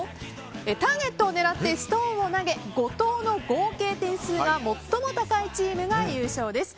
ターゲットを狙ってストーンを投げ５投の合計点数が最も高いチームが優勝です。